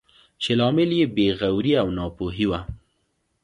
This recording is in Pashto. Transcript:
چې لامل یې بې غوري او ناپوهي وه.